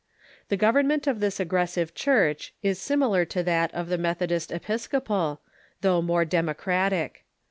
The government of this aggressive Church is similar to that of the Methodist Episcopal, though more democratic.